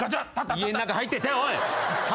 家の中入ってったよおい。